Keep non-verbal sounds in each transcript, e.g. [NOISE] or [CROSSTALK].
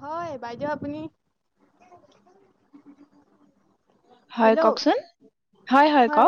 হয় বাইদেউ আপুনি হয় হেল্ল' কওকচোন হয়-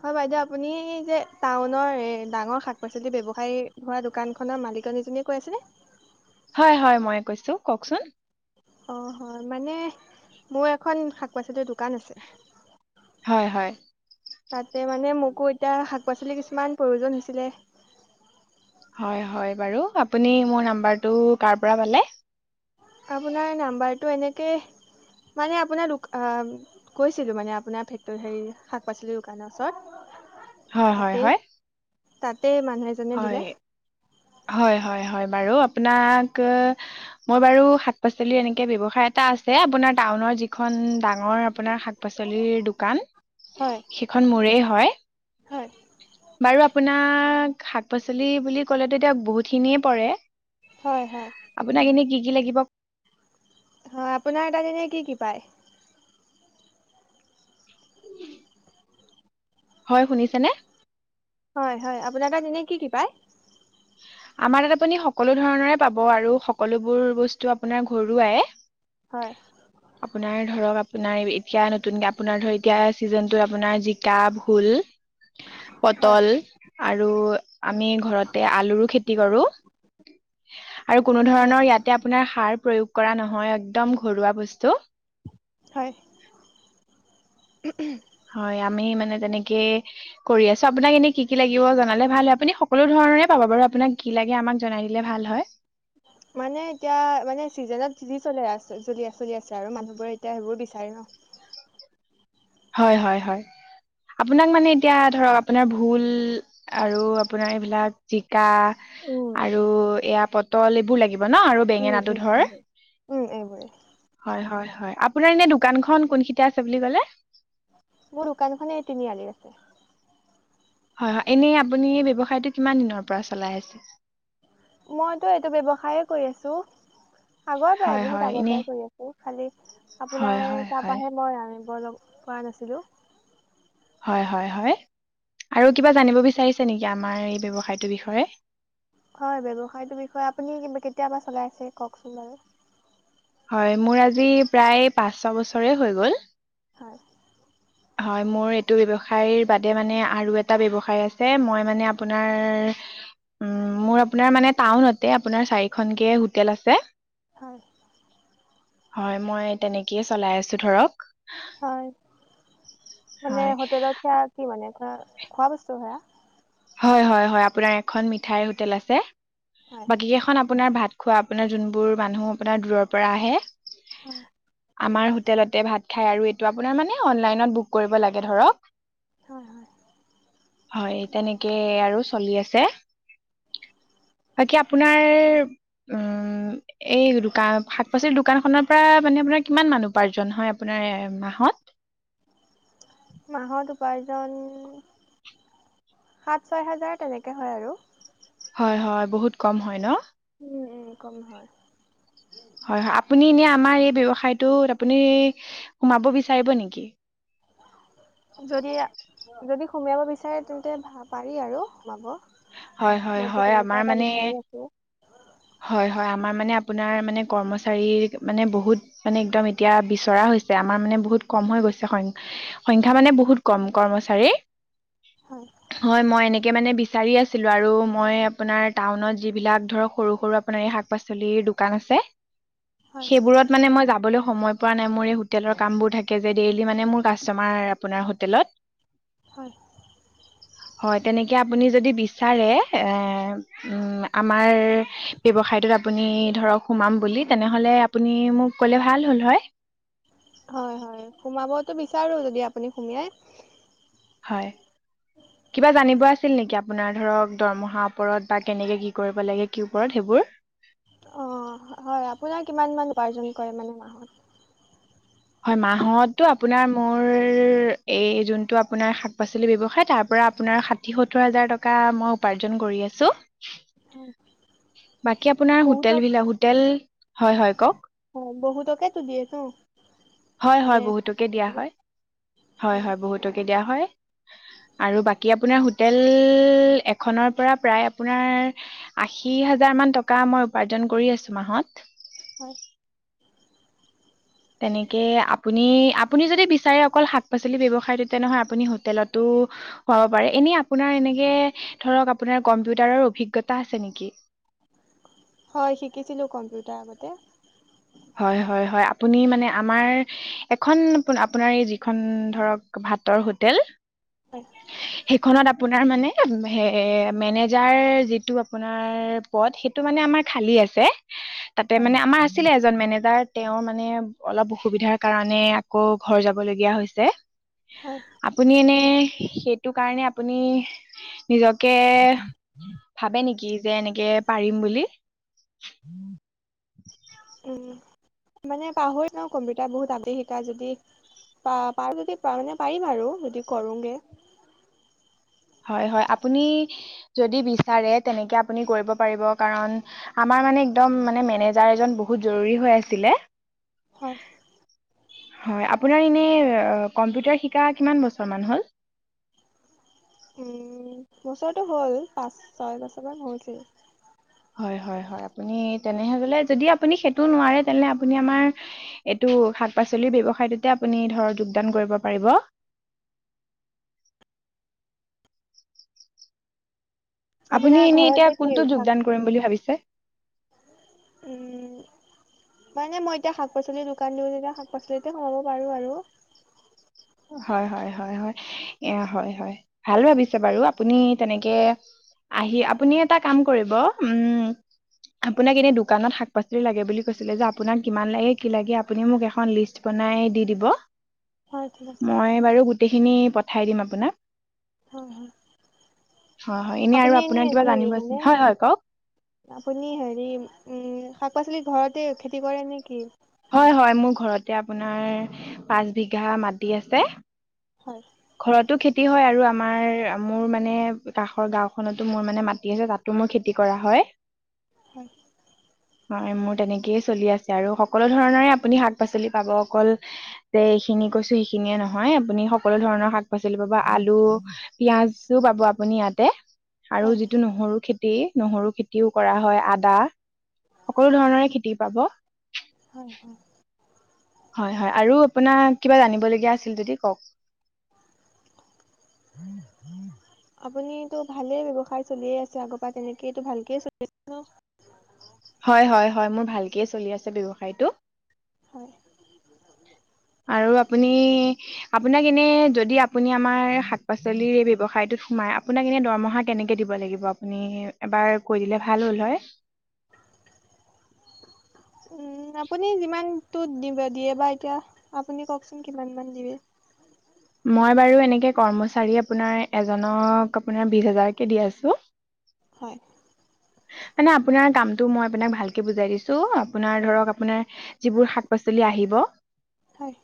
হয় বাইদেউ আপুনি যে টাউনৰ ডাঙৰ শাক -পাচলি ব্যৱসায়ী হোৱা দোকানখনৰ মালিকনীজনীয়ে কৈ আছেনে? হয় -হয় ময়ে কৈছো কওকচোন? অ', হয় মানে মোৰ এখন শাক- পাচলিৰ দোকান আছে। হয় হয় তাতে মানে মোকো এতিয়া শাক পাচলিৰ কিছুমান প্ৰয়োজন হৈছিলে [UNINTELLIGIBLE] আপোনাৰ নাম্বাৰটো এনেকে মানে আপোনাৰ কৈছিলোঁ মানে আপোনাৰ ফেক্টৰ হে শাক পাচলিৰ দোকানৰ ওচৰত হয় হয় তাতেই হয় তাতেই মানুহ এজনে দিলে হয়- হয়- হয়- হয় বাৰু আপোনাক মই বাৰু শাক- পাচলি এনেকে ব্যৱসায় এটা আছে আপোনাৰ টাউনৰ যিখন ডাঙৰ আপোনাৰ শাক পাচলিৰ দোকান হয় সেইখন মোৰেই হয়। হয় বাৰু আপোনাক শাক -পাচলি বুলি ক'লেতো এতিয়া বহুতখিনিয়ে পৰে হয়-হয় আপোনাক এনেই কি কি লাগিব হয় আপোনাৰ তাত এনে কি কি পায়। হয় শুনিছেনে? হয় -হয় আপোনাৰ তাত এনে কি কি পায়? [INAUDIBLE] আমাৰ তাত আপুনি সকলো ধৰণৰে পাব আৰু সকলোবোৰ বস্তু আপোনাৰ ঘৰুৱাই। হয় আপোনাৰ ধৰক আপোনাৰ এতিয়া নতুনকে আপোনাৰ ধৰ এতিয়া চিজনটো আপোনাৰ যি জিকা, ভোল, হয় পটল আৰু আমি ঘৰত আৰু কোনো হয় ধৰণৰ ইয়াতে আপোনাৰ সাৰ প্ৰয়োগ কৰা নহয় একদম ঘৰুৱা বস্তু হয় হয় আমি মানে তেনেকে কৰি আছো আপোনাক এনে কি কি লাগিব জনালে ভাল হয় আপুনি সকলো ধৰণৰ সিমানে পাব বাৰু আপোনাক মানে এতিয়া মানে চিজনত যি যি চলে চলি আছে আৰু মানুহবোৰে এতিয়া সেইবোৰ বিচাৰে ন হয়-হয়-হয় আপোনাক মানে এতিয়া ধৰক আপোনাৰ ভোল আৰু আপোনাৰ এইবিলাক জিকা জিকা উম আৰু এয়া পটল এইবোৰ লাগিব ন আৰু উম বেঙেনাটো উম ধৰ উম উম উম এইবোৰে হয়-হয়-হয় আপ আপোনাৰ এনে দোকানখন কোন কেইটা আছে বুলি কলে? মোৰ দুকানখনেই তিনিআলিত আছে। হয় হয় এনেই আপুনি ব্যৱসায়টো কিমান দিনৰ পৰা চলাই আছে? মইতো এইটো ব্যৱসায়ে কৰি আছোঁ। আগৰ পৰাই হয় হয় বহুত আগৰ এনে পৰাই কৰি আছো খালি হয় আপোনাৰ হয় তাৰ হয় পৰাহে মই নাই। মই লগ কৰা নাছিলো। হয় হয় হয়। আৰু কিবা জানিব বিচাৰিছে নেকি আমাৰ এই ব্যৱসায়টোৰ বিষয়ে? হয় ব্যৱসায়টোৰ বিষয়ে আপুনি কেতিয়াৰ পৰা চলাই আছে কওকচোন বাৰু। হয়, মোৰ আজি প্ৰায় পাঁচ ছয় বছৰে হৈ গ'ল। হয়। হয় মোৰ এইটো ব্যৱসায়ৰ বাদে মানে আৰু এটা ব্যৱসায় আছে। মই মানে আপোনাৰ উম মোৰ আপোনাৰ মানে টাউনতে আপোনাৰ চাৰিখনকে হোটেল আছে। হয়। হয় মই তেনেকেই চলাই আছো ধৰক। হয় মানে হয় হোটেলত সেয়া কি মানে খোৱা বস্তু সেয়া? হয় হয় হয় আপোনাৰ এখন মিঠাইৰ হোটেল আছে। হয় বাকী কেইখন আপোনাৰ ভাত খোৱা আপোনাৰ যোনবোৰ মানুহ আপোনাৰ দূৰৰ পৰা আহে হয় আমাৰ হোটেলতে ভাত খাই আৰু এইটো আপোনাৰ মানে অনলাইনত বুক কৰিব লাগে ধৰক। হয় হয়। হয় তেনেকে আৰু চলি আছে। বাকী আপোনাৰ উম এই দোকান শাক পাচলি দোকানখনৰ পৰা মানে আপোনাৰ কিমান মানুহ উপাৰ্জন হয় আপোনা এ মাহত মাহত উপাৰ্জন সাত-ছয় হাজাৰ তেনেকে হয় আৰু। হয় হয়, বহুত কম হয় ন? উম উম, কম হয়। হয় হয়, আপুনি এনে আমাৰ এই ব্যৱসায়টোত আপুনি সোমাব বিচাৰিব নেকি? [INAUDIBLE] যদি যদি সোমিয়াব বিচাৰে তেন্তে পাৰি আৰু সোমাব। হয় হয় মইতো হয় তেনেকা আমাৰ এটা মানে বিচাৰি আছো হয় হয় আমাৰ মানে আপোনাৰ মানে কৰ্মচাৰীৰ মানে বহুত মানে একদম এতিয়া বিচৰা হৈছে আমাৰ মানে বহুত কম হৈ গৈ [UNINTELLIGIBLE] সংখ্যা মানে বহুত কম কৰ্মচাৰী। হয় হয় মই এনেকে মানে বিচাৰি আছ ছিলো আৰু মই আপোনাৰ টাউনত যিবিলাক ধৰক সৰু সৰু আপোনাৰ এই শাক পাচলিৰ দোকান আছে। হয় সেইবোৰত মানে মই যাবলৈ সময় পোৱানায় মোৰ এই হোটেলৰ কামবোৰ থাখেজে দেইলি মানে মোৰ কাষ্টমাৰ আপোনাৰ হোটেলত। হয়। হয় তেনেকে আপুনি যদি বিছ ছাৰে এ উম আমাৰ ব্যৱসায়টোত আপুনি ধৰক সোমাম বুলি লি তেনেহলে আপুনি মোক কলে ভাল হলহৈ। হয় হয় সোমাবতো বিচাৰো যদি আপুনি সোমিয়াই। হয়। কিবা জানিব আছিল নেকি আপোনাৰ ধৰক দৰমহাৰ ওপৰত বা কেনেকে কি কৰিব লাগে কি ওপৰত সেইবোৰ? অ হয় আপোনাৰ কিমান মান উপাৰ্জন কৰে মানে মাহত? হয় মাহতো আপোনাৰ মোৰ এই যোনটো আপোনাৰ শাক পাচলি ব্যৱসায় তাৰ পৰা পৰা আপোনাৰ ষাঠি সত্তৰ হাজাৰ টকা মই উপাৰ্জন কৰি আছো। হয়। বাকী আপোনাৰ বহুতক হোটেলবিলাক- হোটেল- হয় - হয় কওঁক। অ' বহুত কেইতো দিয়ে তো। হয় - হয়, বহুতকে দিয়া হয়। হয় - হয়, বহুতকে দিয়া হয়। আৰু বাকী আপোনাৰ হোটেল এখনৰ পৰা প্ৰায় আপোনাৰ আশী হাজাৰ মান টকা মই উপাৰ্জন কৰি আছোঁ মাহত। হয়। তেনেকে আপুনি - আপুনি যদি বিচাৰে অকল শাক পাচলি ব্যৱসায়টোতিয়া নহয় আপুনি হোটেলতো প এনে আপোনাৰ এনেকে ধৰক আপোনাৰ কম্পিউটাৰৰ অভিজ্ঞতা আছে নেকি। হয় শিকিছিলোঁ কম্পিউটাৰ আগতে। হয় হয় হয় আপুনি মানে আমাৰ এখন আপোনাৰ এই যিখন ধৰক ভাতৰ হোটেল হয় খনত আপোনাৰ মানে হে মেনেজাৰ যিটো আপোনাৰ পদ সেইটো মানে আমাৰ খালি আছে তাতে মানে আমাৰ আছিলে এজন মেনেজ তাৰ তেওৰ মানে অলপ অসুবিধাৰ কাৰণে আকৌ ঘৰ যাব লগগীয়া হৈছে। হয় আপুনি এনে সেইটো কাৰণে আপুনি নিজকে ভাবে নেকি যে এনেকে পাৰিম বুলি। উম মানে পাহৰি ন কম্পিউটাৰ বহুত আদেই শিকা যদি পা- পাৰ যদি মানে পাৰিম আৰু যদি কৰোগে। [INAUDIBLE] হয় - হয় আপুনি যদি বিচাৰে তেনেকে আপুনি কৰিব পাৰিব কাৰণ আমাৰ মানে একম মানে মেনেজাৰ এজন বহুত জৰুৰী হৈ আছিলে। হয়। হয় আপোনাৰ এনে কম্পিউটাৰ শিকা কিমান বছৰ হ'ল উম, বছৰটো হ'ল পাচ ছয় বছৰমান হৈছিল। হয় - হয় - হয় আপুনি তেনেহে গলে যদি আপুনি সেইটো নোৱাৰে তেনেলে আপুনি আমাৰ এইটো শাক পাচলিৰ ব্যৱস তে আপুনি ধৰক যোগদান কৰিব পাৰিব। আপুনি আপোনাৰ এনে এতিয়া ঘৰতে কি কোনটো শাক যোগদান বুলি ভাবিছে। উম, মানে মই এতিয়া শাক পাচলিৰ দোকান দিও যেতিয়া শাক পাচলিতে সোমাব পাৰো আৰু হয় হয় হয় হয় হয় হয় ভাল ভাবিছে বাৰু আপুনি তেনেকে আহি আপুনি এটা কাম কৰিব উম। আপোনাক এনে দোকানত শাক পাচলি লাগে বুলি কৈছিলে যে আপোনাক কিমান লাগে কি লাগে আপুনি মোক এখন লিষ্ট দিব। নাই দি দিব হয় ঠিক আছে মই বাৰু গোটেইখিনি পঠাই দিম আপোনাক হয় হয় হয় - হয় এনে আৰু আপুনি আপোনাৰ কিবা কি জানিবচ মানে হয় - হয় কওক। আপুনি হেৰি উম শাক পাচলি ঘৰতে খেতি কৰে নেকি হয় হয় মোৰ ঘৰতে আপোনাৰ পাঁচ বিঘা মাটি আছে হয় ঘৰতো খেতি হয় আৰু আমাৰ মোৰ মানে কাষৰ গাওঁখনতো মোৰ মানে মাটি আছে তাতো মো খেতি কৰা হয় হম হয় মোৰ তেনেকেইয় চলি আছে আৰু সকলো ধৰণৰে আপুনি শাক পাচলি পাব অকল যে এইখিনি কৈছো সেইখিনিয়ে নহয় আপুনি সকলো ধৰণৰ শাক পাচলি পাব আলু পিয়াজো পাব আপুনি ইয়াতে আৰু হয় যিটো নহৰু খেতি নহৰু খেতিও কৰা হয় আদা সকলো ধৰণৰে খেতি পাব। হয় হয় হয়- হয় আপোনাৰ কিব জান কউক। [INAUDIBLE] আপুনটো ভালে ব্যৱসায় চলিয়ে আছে আগৰ পৰা তেনেকে এইটো ভালকেই চলি আছে ন। হয়, হয়। হয় মোৰ ভালকে চলি আছে ব্যৱসায়টো। হয়। আৰু আপোনাক এনে যদি আপ আপুনি আমাৰ শাক পাচলিৰ এই ব্যৱসায়টোত সোমাই আপোনাক ইনে দৰমহা কেনেকে দিব লাগিব, আপুনি এবাৰ কৈ দিলে ভাল হ'ল হয়। [INAUDIBLE] উম, আপুনি যিমানটো দিব দিয়ে বা এতিয়া আপুনি কওকচোন কিমানমান দিবে। মই বাৰু এনেকে কৰ্মচাৰী আপোনাৰ এজনক আপোনাৰ বিশ হাজাৰকে দি আছো। হয়। [INAUDIBLE] মানে আপোনাৰ কামটো মই আপোনাক ভালকে বুজাই দিছো আপোনাৰ ধৰক আপোনাৰ যিবোৰ শাক পাচলি আহিব [UNINTELLIGIBLE] হয়।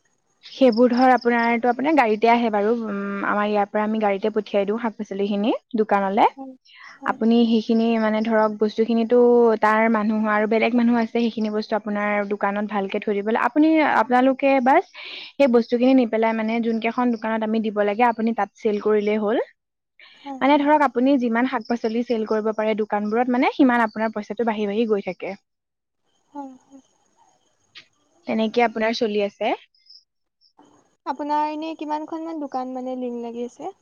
[INAUDIBLE] সেইবোৰ ধৰ আপোনাৰতো আপোনাৰ গাড়ীতে আহে বাৰু আমাৰ ইয়াৰ পৰা আমি গাড়ীতে পঠিয়াই দিওঁ শাক পাচলিখিনি। দোকানলে হয়। হয়, আপুনি সেই সেইখিনি মানে ধৰক বস্তুখিনিতো তাৰ মানুহ আৰু বেলেগ মানুহ আছে সেইখিনি বস্তু আপোনাৰ দোকানত। ভালকে ধৰিব আপুনি আপোনালোকে বাচ সেই বস্তুখিনি নি পেলাই মানে যোন কেইখন দোকানত আমি দিব লাগে আপুনি তাত ছেল কৰিলেই হ'ল। হয়, মানে হয়, ধৰক আপুনি যিমান শাক পাচলি চেল কৰিব পাৰে দোকানবোৰত মানে সিমান আপোনাৰ পইচাটো বাঢি-বাঢ়ি গৈ থাকে। হয়, তেনেকে আপোনাৰ চলি আছে। আপোনাৰ এনে কিমানখনমান দোকান মানে লিংক লাগি আছে।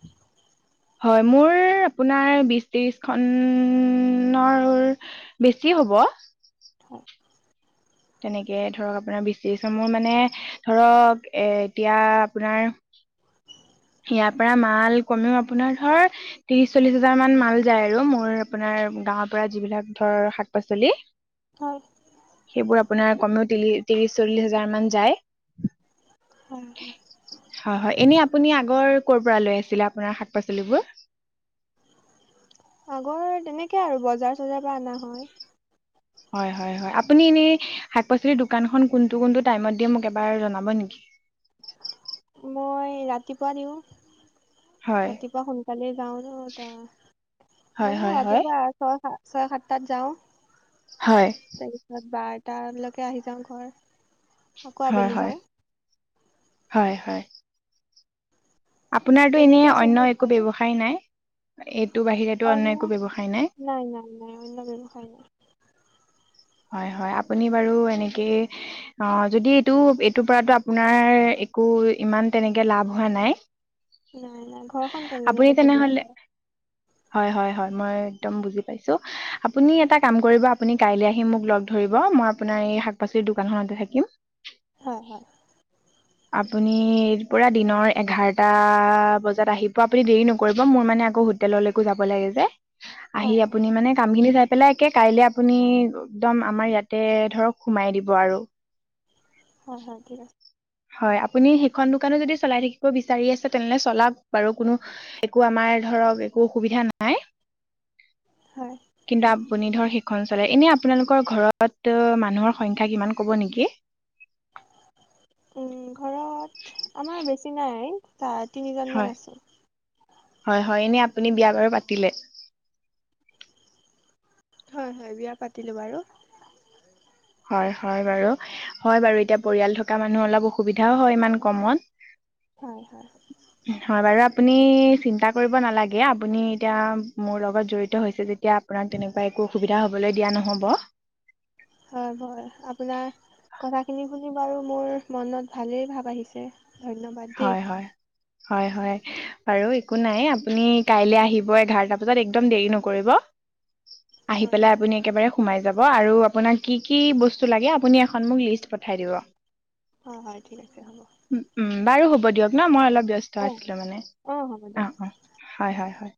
হয় মোৰ আপোনাৰ বিছ ত্ৰিছখনৰ বেছি হ'ব। [INAUDIBLE] হয়। তেনেকে ধৰক আপোনাৰ বেছি আছে, মোৰ মানে ধৰক এ এতিয়া আপোনাৰ উ [UNINTELLIGIBLE] ইয়াৰ পৰা মাল কমেও আপোনাৰ ধৰ ত্ৰিশ চল্লিশ হাজাৰ মান মাল যায় আৰু মোৰ আপোনাৰ গাঁৱৰ পৰা যিবিলাক ধৰ শাক-পাচলি। হয়, সেইবোৰ আপোনাৰ কমেও ত্ৰিলি তিলিছ চল্লিশ হাজাৰ মান যায়। হয়, হয়- হয় এনে আপুনি আগৰ কৰ'ৰ পৰা লৈ আছিলে। আপোনাৰ শাক পাচলিবোৰ। আগৰ তেনেকে আৰু বজাৰ চজাৰ পৰা অনা হয়। হয় হয়-হয় আপুনি এনেই শাক পাচলিৰ দোকানখন কোনটো-কোনটো টাইমত দিয়ে মোক এবাৰ জনাব নেকি। [INAUDIBLE] মই ৰাতিপুৱা দিওঁ। হয় ৰাতিপুৱা সোনকালে যাও ন তাৰ হয় মানে হয় হয় ৰাতিপুৱা ছয় সাতটাত যাওঁ, হয় তাৰপিছত বাদ তাৰলৈকে আহি যাম ঘৰ। আকৌ হয়- আবেলি যাওঁ, হয়- হয় - হয়। আপোনাৰতো এনেই তেনেকেই চলি অন্য আছে একো আৰু ব্যৱসায় নাই। এইটো বাহিৰেতো অন্য একো ব্যৱসায় নাই। নাই, নাই অন্য ব্যৱসায় নাই। হয়- হয় আপুনি বাৰু এনেকে অ' যদি এইটো এইটোৰ পৰাতো আপোনাৰ একো ইমান তেনেকে লাভ হোৱা নাই। নাই নাই ঘৰখন তেজ আপুনি বজাকে চলি তেনেহলে আছে। হয় হয়- হয়, মই একদম বুজি আপুনি এটা কাম কৰিব আপুনি কাইলে আহ আহি মোক লগ ধৰিব মই আপোনাৰ এই শাক পাচলিৰ দোকানখনতে থাকিম। হয়, হয়। আপুনি পৰা দিনৰ এঘাৰটা বজাত আহিব, আপুনি দেৰি নকৰিব মোৰ মানে আকৌ হোটেলৰ লেকো যাব লাগে যে, আহি হয় হয় আপুনি মানে কামখিনি পেলাই একে কাইলে আপুনি একদম আমাৰ ইয়াতে ধৰক সোমাই দিব আৰু। হয়, হয়, ঠিক হয়, আপুনি সিখন দোকানো যদি চলাই থাকিব বিচাৰি আছে, তেনেহ'লে চলাওঁক বাৰু কোনো একো আমাৰ ধৰক একো অসুবিধা নাই, হয় কিন্তু [UNINTELLIGIBLE] আপুনি ধৰ সেইখন চলে এনে আপোনালোকৰ ঘৰত মানুহৰ সংখ্যা কিমান ক'ব নেকি? উম, ঘৰত আমাৰ বেছি নাই, হয় তিনিজনমান আছে। হয়, হয়, এনে আপুনি বিয়া বাৰু পাতিলে? হয়, হয়, বিয়া পাতিলোঁ বাৰু। হয়, হয়, বাৰু হয়, বাৰু এতিয়া পৰিয়াল থকা মানুহৰ অলপ অসুবিধায়ো হয়, ইমান কমত। হয়, হয়। হয় বাৰু আপুনি চিন্তা কৰিব নালাগে, আপুনি এতিয়া মোৰ লগত জড়িত হৈছে যেতিয়া আপোনাক তেনেকুৱা এক একো অসুবিধা হ'বলৈ দিয়া নহ'ব। সেইটো হয়, আপোনাৰ কথা খিনি শুনি বাৰু মোৰ মনত ভালেই ভাব আহিছে। ধন্যবাদ দেই। হয় হয় হয়, হয় বাৰু একো নাই, আপুনি কাইলৈ আহিব এঘাৰটা বজাত একদম দেৰি নকৰিব। আহি হয় পেলাই হয় আপুনি একেবাৰে সোমাই যাব। ব আৰু আপোনাক কি কি বস্তু লাগে আপুনি এখন মোক লিষ্ট পঠাই দিব। হয়, হয় ঠিক আছে হ'ব। উম, বাৰু হ'ব দিয়ক ন মই অলপ ব্যস্ত অ আছিলো মানে, অ হ'ব দিয়ক অ' অ' হয় হয়।